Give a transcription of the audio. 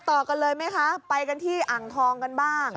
ต่อกันเลยไหมคะไปกันที่อ่างทองกันบ้าง